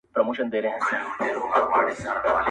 مار لا څه چي د پېړیو اژدهار وو!!